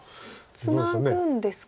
ツナぐんですか？